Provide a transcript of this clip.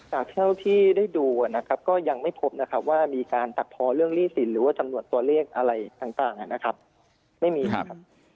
เท่าที่ได้ดูนะครับก็ยังไม่พบนะครับว่ามีการตัดพอเรื่องหนี้สินหรือว่าจำนวนตัวเลขอะไรต่างนะครับไม่มีครับ